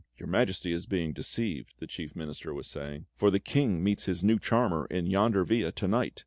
"Your Majesty is being deceived," the Chief Minister was saying, "for the King meets his new charmer in yonder villa to night!"